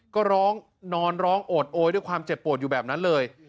ก็ร้องนอนร้องโอดโอยด้วยความเจ็บปวดอยู่แบบนั้นเลย